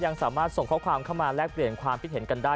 ยังสามารถส่งข้อความเข้ามาแลกเปลี่ยนความคิดเห็นกันได้